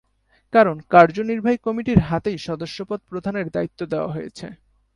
কারণ কার্যনির্বাহী কমিটির হাতেই সদস্যপদ প্রধানের দায়িত্ব দেওয়া হয়েছে।